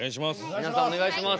皆さんお願いします。